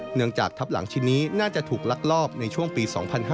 หลังจากทับหลังชิ้นนี้น่าจะถูกลักลอบในช่วงปี๒๕๕๙